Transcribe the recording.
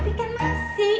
tapi kan masih